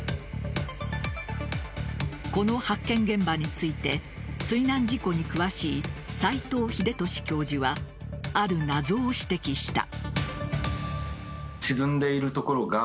この発見現場について水難事故に詳しい斎藤秀俊教授はある謎を指摘した。